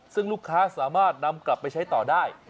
ซึ่งลูกค้าสามารถนำกลับไปใช้ต่อได้